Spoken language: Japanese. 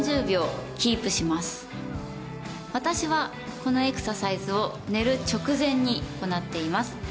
私はこのエクササイズを寝る直前に行っています。